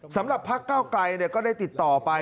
สำหรับพักก้าวกลายเนี่ยก็ได้ติดต่อไป